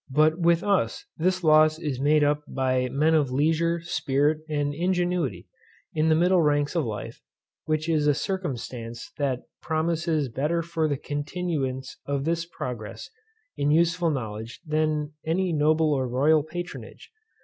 But with us this loss is made up by men of leisure, spirit, and ingenuity, in the middle ranks of life, which is a circumstance that promises better for the continuance of this progress in useful knowledge than any noble or royal patronage.